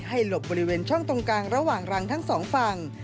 หลบบริเวณช่องตรงกลางระหว่างรังทั้งสองฝั่ง